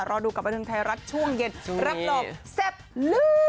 รอดูกับวันนึงไทยรัฐช่วงเย็นรับหลบแซ่บลืม